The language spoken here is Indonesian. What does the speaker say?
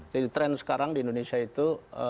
jadi tren sekarang di indonesia itu